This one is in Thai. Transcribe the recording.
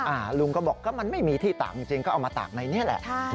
ลุงก็บอกก็มันไม่มีที่ตากจริงก็เอามาตากในนี่แหละใช่